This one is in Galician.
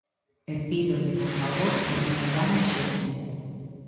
E pídolle, por favor, que non engane a xente.